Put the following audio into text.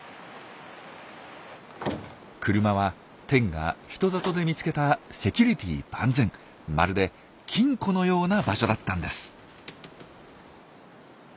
車はテンが人里で見つけたセキュリティー万全まるで金庫のような場所だったんです。